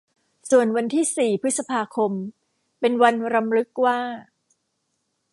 ส่วนวันที่สี่พฤษภาคม เป็นวันรำลึกว่า